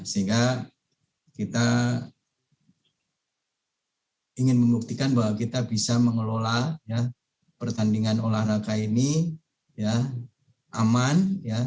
sehingga kita ingin membuktikan bahwa kita bisa mengelola pertandingan olahraga ini aman